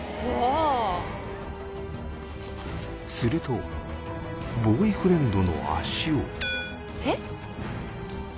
するとボーイフレンドの足を